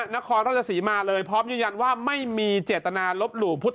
นครราชศรีมาเลยพร้อมยืนยันว่าไม่มีเจตนาลบหลู่พุทธ